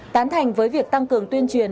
tán thành với việc tăng cường tuyên truyền